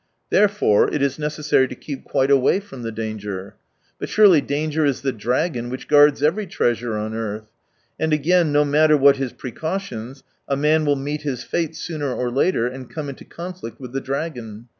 Therefore it is necessary to keep quite away from the danger. But surely danger is the dragon which guards every treasure on earth. And again, no matter what his precautions, a man will meet his fate sooner or later, and come into cdnflict with the dragon.